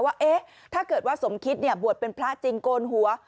ว่าถ้าเกิดว่าสมคิตบวชเป็นพระจริงโกนหัว